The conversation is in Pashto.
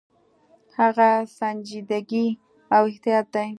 هغه سنجیدګي او احتیاط دی.